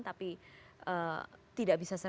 tapi tidak bisa survive